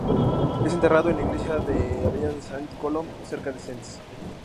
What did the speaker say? Es enterrado en la iglesia de la abadía de Sainte-Colombe, cerca de Sens.